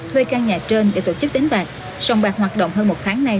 thuê căn nhà trên để tổ chức đánh bạc sông bạc hoạt động hơn một tháng nay